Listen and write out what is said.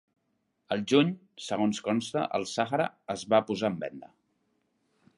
Al juny, segons consta, el Sahara es va posar en venda.